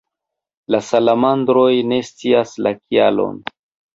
La salamandroj ne scias la kialon.